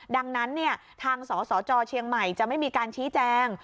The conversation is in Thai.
ดังนั้นทางสสจเชียงใหม่จะไม่มีการชี้แจง